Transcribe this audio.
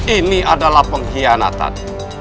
ini adalah pengkhianatan